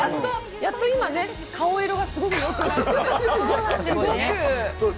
やっと今、顔色がすごく良くなっているので。